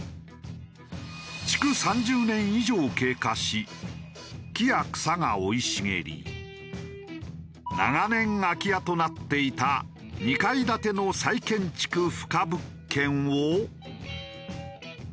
築３０年以上経過し木や草が生い茂り長年空き家となっていた２階建ての再建築不可物件を。